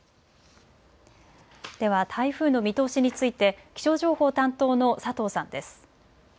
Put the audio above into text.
では台風の見通しについて気象情報担当の佐藤さんです。